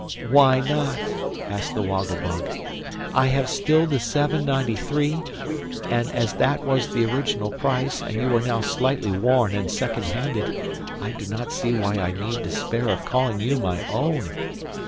"Why not?" asked the Woggle Bug. "I have still the seven ninety three; and as that was the original price, and you are now slightly worn and second handed, I do not see why I need despair of calling you my own."